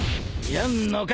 ［やんのか？